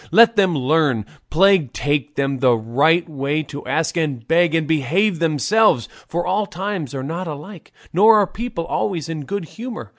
Let them learn, plague take them, the right way to ask, and beg, and behave themselves; for all times are not alike, nor are people always in good humour.